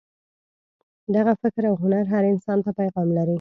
دغه فکر او هنر هر انسان ته پیغام لري.